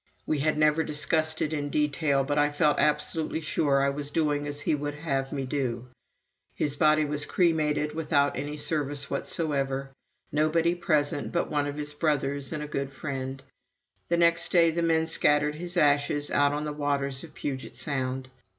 We had never discussed it in detail, but I felt absolutely sure I was doing as he would have me do. His body was cremated, without any service whatsoever nobody present but one of his brothers and a great friend. The next day the two men scattered his ashes out on the waters of Puget Sound.